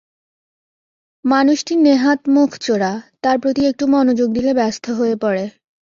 মানুষটি নেহাত মুখচোরা, তার প্রতি একটু মনোযোগ দিলে ব্যস্ত হয়ে পড়ে।